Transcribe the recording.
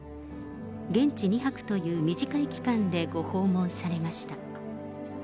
現地２泊という短い期間でご訪問されました。